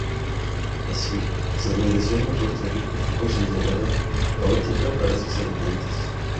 Así, su administración en Puerto Rico fue considerada caótica para sus habitantes.